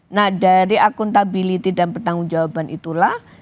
nah dari akuntabilitas dan pertanggung jawaban itulah